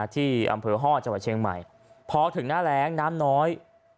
ที่อำเภอฮ่อจังหวัดเชียงใหม่พอถึงหน้าแรงน้ำน้อย